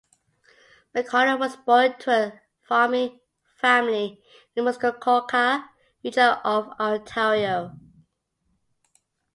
McConnell was born to a farming family in the Muskoka Region of Ontario.